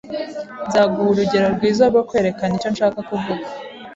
Nzaguha urugero rwiza rwo kwerekana icyo nshaka kuvuga.